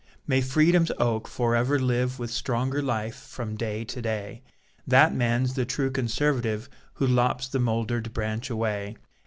May freedom's oak for ever live With stronger life from day to day; That man's the true Conservative Who lops the moulder'd branch away.